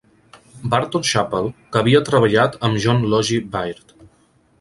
Barton-Chapple, que havia treballat amb John Logie Baird.